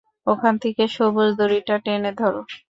ওখান থেকে সবুজ দড়িটা টেনে ধরো।